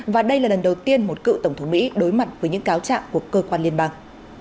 và đây là lần đầu tiên một cựu tổng thống mỹ đối mặt với những cáo trạng của cơ quan liên bang